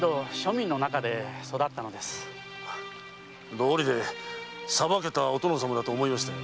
どうりでさばけたお殿様だと思いましたよ。